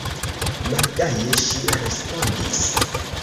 Malgaje ŝi respondis: